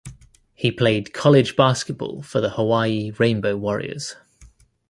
He played college basketball for the Hawaii Rainbow Warriors.